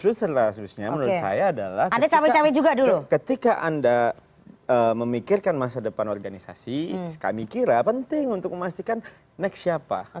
terus menurut saya adalah ketika anda memikirkan masa depan organisasi kami kira penting untuk memastikan next siapa